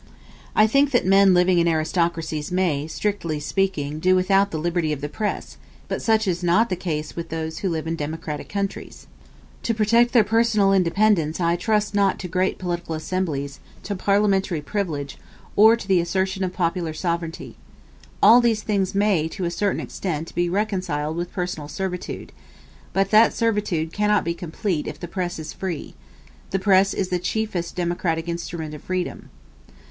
I think that men living in aristocracies may, strictly speaking, do without the liberty of the press: but such is not the case with those who live in democratic countries. To protect their personal independence I trust not to great political assemblies, to parliamentary privilege, or to the assertion of popular sovereignty. All these things may, to a certain extent, be reconciled with personal servitude but that servitude cannot be complete if the press is free: the press is the chiefest democratic instrument of freedom.